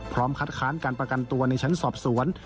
คัดค้านการประกันตัวในชั้นสอบสวน